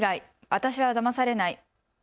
私はだまされない。